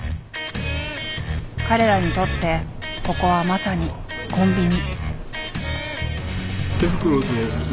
彼らにとってここはまさにコンビニ。